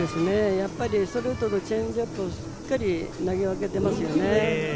やっぱりストレートとチェンジアップをしっかり投げ分けていますよね。